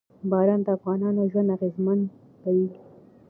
باران د افغانانو ژوند اغېزمن کوي.